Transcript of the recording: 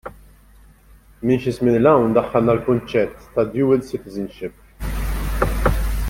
Minn xi żmien ' il hawn daħħalna l-konċett tad-dual citizenship.